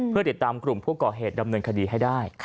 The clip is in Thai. เพื่อติดตามกลุ่มผู้ก่อเหตุดำเนินคดีให้ได้